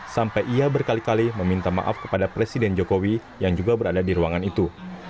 sampai ia berkali kali meminta maaf kepada presiden jokowi yang juga berada di ruangan itu